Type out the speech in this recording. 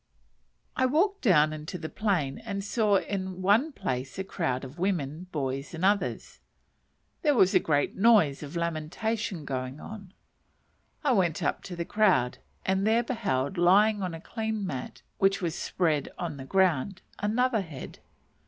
I walked down into the plain, and saw in one place a crowd of women, boys, and others. There was a great noise of lamentation going on. I went up to the crowd, and there beheld, lying on a clean mat, which was spread on the ground, another head.